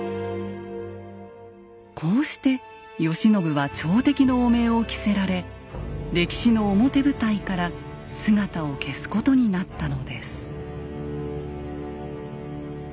こうして慶喜は朝敵の汚名を着せられ歴史の表舞台から姿を消すことになったのです。